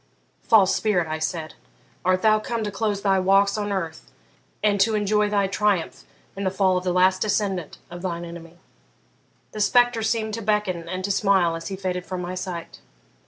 "False spirit," I said, "art thou come to close thy walks on earth and to enjoy thy triumph in the fall of the last descendant of thine enemy?" The spectre seemed to beckon and to smile as he faded from my sight.